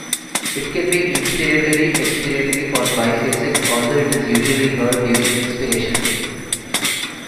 It can be inspiratory, expiratory or biphasic, although it is usually heard during inspiration.